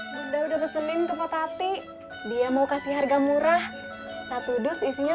bunda udah pesenin ke pak tati dia mau kasih harga murah satu dus isinya